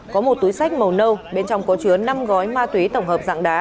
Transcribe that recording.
có một túi sách màu nâu bên trong có chứa năm gói ma túy tổng hợp dạng đá